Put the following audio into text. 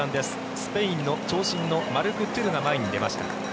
スペインの長身のマルク・トゥルが前に出ました。